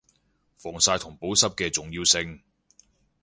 防曬同保濕嘅重要性